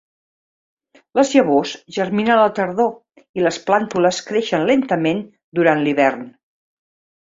Les llavors germinen a la tardor i les plàntules creixen lentament durant l'hivern.